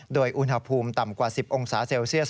โดยอุณหภูมิต่ำกว่า๑๐องศาเซลเซียส